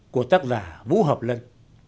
của tác giả vũ hợp lân